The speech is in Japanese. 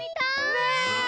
ねえ。